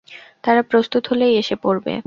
তারা প্রস্তুত হলেই এসে পড়বে।